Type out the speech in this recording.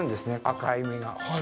赤い実が。